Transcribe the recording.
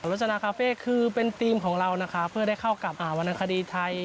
ลักษณะคาเฟ่คือเป็นธีมของเรานะคะเพื่อได้เข้ากับวรรณคดีไทย